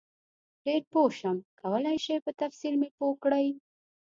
ډېر پوه شم کولای شئ په تفصیل مې پوه کړئ؟